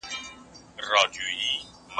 اکثره داسي جنسونه وي، چي د زوم په کور کي موجود وي.